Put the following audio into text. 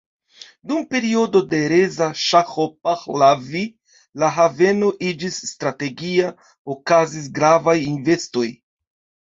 Dum periodo de Reza Ŝaho Pahlavi la haveno iĝis strategia, okazis gravaj investoj.